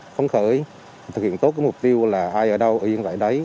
không khởi thực hiện tốt cái mục tiêu là ai ở đâu yên lại đấy